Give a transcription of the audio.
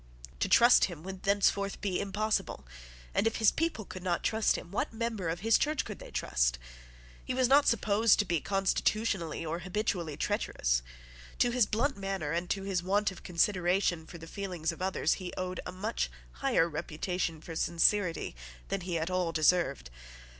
To trust him would thenceforth be impossible; and, if his people could not trust him, what member of his Church could they trust? He was not supposed to be constitutionally or habitually treacherous. To his blunt manner, and to his want of consideration for the feelings of others, he owed a much higher reputation for sincerity than he at all deserved.